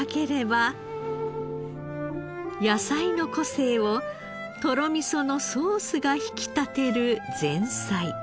野菜の個性をとろみそのソースが引き立てる前菜。